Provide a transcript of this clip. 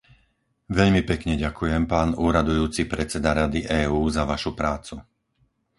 Veľmi pekne ďakujem, pán úradujúci predseda Rady EÚ za vašu prácu.